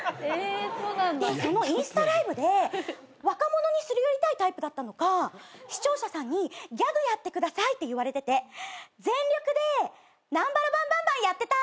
でそのインスタライブで若者にすり寄りたいタイプだったのか視聴者さんに「ギャグやってください」って言われてて全力でナンバラバンバンバンやってた。